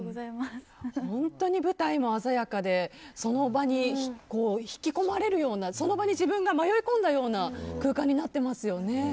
本当に舞台も鮮やかでその場に引き込まれるようなその場に自分が迷い込んだような空間になっていますよね。